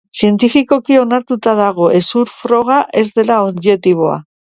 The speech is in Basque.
Zientifikoki onartuta dago hezur froga ez dela objektiboa.